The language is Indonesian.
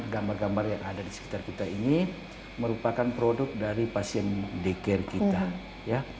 gambar gambar yang ada di sekitar kita ini merupakan produk dari pasien deker kita ya